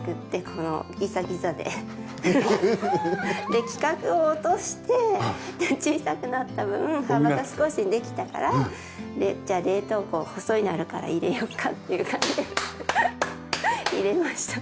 で規格を落として小さくなった分幅が少しできたからじゃあ冷凍庫細いのあるから入れようかっていう感じで入れました。